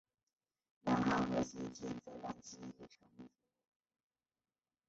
两汉和西晋则让西域臣服。